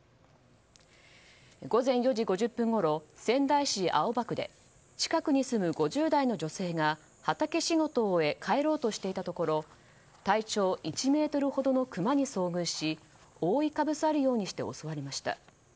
午前４時５０分ごろ仙台市青葉区で近くに住む５０代の女性が畑仕事を終え帰ろうとしていたところ体長１ｍほどのクマに遭遇し覆いかぶさるようにして襲われました。